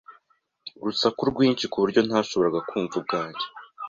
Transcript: Urusaku rwinshi kuburyo ntashoboraga kumva ubwanjye.